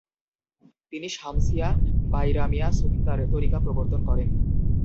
তিনি শামসিয়া-বাইরামিয়া সুফি তরিকা প্রবর্তন করেন।